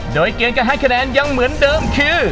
โดยเกมการให้คะแนนยังเหมือนเดิมคือ